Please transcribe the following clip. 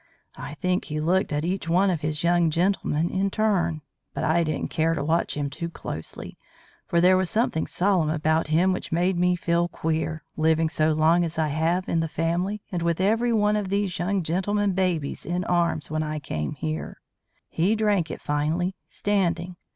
I think he looked at each one of the young gentlemen in turn, but I didn't care to watch him too closely, for there was something solemn about him which made me feel queer, living so long as I have in the family and with every one of these young gentlemen babies in arms when I came here. He drank it finally, standing.